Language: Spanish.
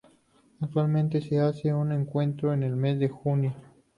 Actualmente se hace un encuentro en el mes de junio.